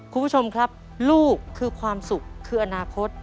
คุณผู้ชมครับลูกคือความสุขคืออนาคต